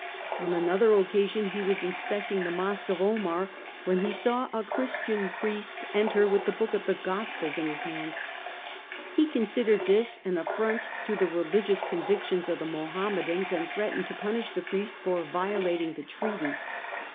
On another occasion he was inspecting the Mosque of Omar, when he saw a Christian priest enter with the book of the Gospels in his hands : he considered this an affront to the religious convictions of the Mohammedans and threatened to punish the priest for violating the treaty.